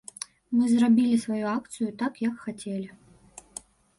Мы зрабілі сваю акцыю, так як хацелі.